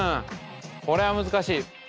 これは難しい。